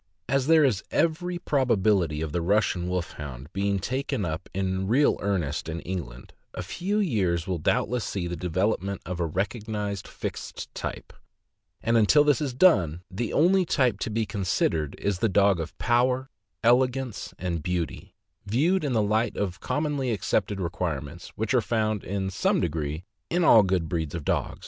As there is every (261) 262 THE AMERICAN BOOK OF THE DOG. probability of the Russian Wolfhound being taken up in real earnest in England, a few years will doubtless see the development of a recognized, fixed type; and until this is done, the only type to be considered is the dog of power, elegance, and beauty, viewed in the light of the commonly accepted requirements, which are found, in some degree, in all good breeds of dogs.